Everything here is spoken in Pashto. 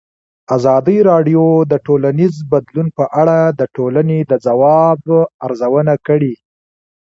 ازادي راډیو د ټولنیز بدلون په اړه د ټولنې د ځواب ارزونه کړې.